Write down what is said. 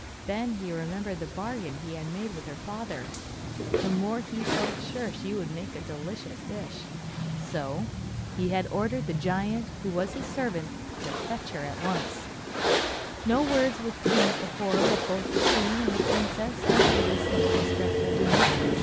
Then he remembered the bargain he had made with her father; and the more he heard of Muffette the more he felt sure she would make a delicious dish. So he had ordered the giant who was his servant to fetch her at once. No words would paint the horror of both the queen and the princess as they listened to this dreadful doom.